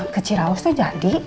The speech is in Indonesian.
ke ciraus tuh jadi